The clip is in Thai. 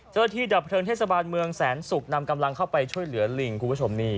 ดับเพลิงเทศบาลเมืองแสนศุกร์นำกำลังเข้าไปช่วยเหลือลิงคุณผู้ชมนี่